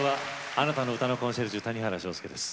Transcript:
あなたの歌のコンシェルジュ谷原章介です。